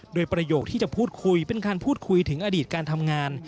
โดยประโยคที่จะพูดคุยเป็นการพูดคุยถึงอดีตการทำงาน